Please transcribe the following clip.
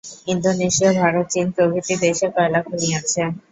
Indonesia, Bharat, চিন প্রভৃতি দেশে কয়লা খনি আছে।